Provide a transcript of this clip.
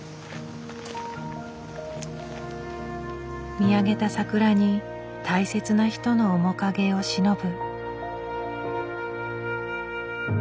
見上げた桜に大切な人の面影をしのぶ。